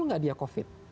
itu tidak dia covid